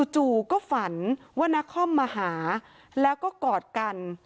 จู่ก็ฝันว่านาคอมมาหาแล้วก็กอดกัน